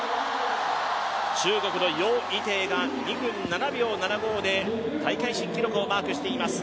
中国の余依テイが２分７秒７５で大会新記録をマークしています。